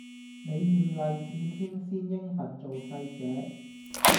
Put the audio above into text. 你艷麗似天仙應份做世姐